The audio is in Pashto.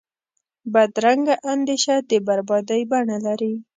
بدرنګه اندیشه د بربادۍ بڼه لري